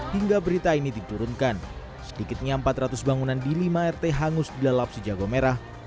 hingga berita ini diturunkan sedikitnya empat ratus bangunan di lima rt hangus di lalapsi jagomera